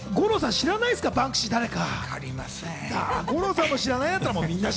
知らないですか、バンクシーが誰か。